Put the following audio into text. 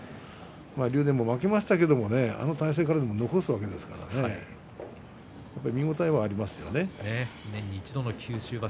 竜電も負けましたけれどもあの体勢からでも残すわけですから見応えがありますよね。